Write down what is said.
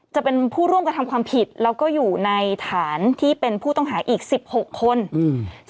จะเป็นผู้ร่วมกระทำความผิดแล้วก็อยู่ในฐานที่เป็นผู้ต้องหาอีกสิบหกคนอืม